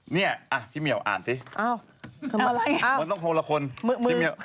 เนี่ยอะพี่เมียวอ่านสิมันต้องโทรคนเพียงพี่เมียว